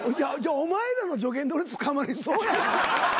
お前らの助言で俺捕まりそうや。